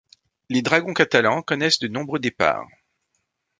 Les Dragons catalans connaissent de nombreux départs.